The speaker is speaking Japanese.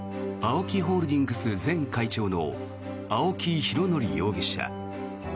ＡＯＫＩホールディングス前会長の青木拡憲容疑者。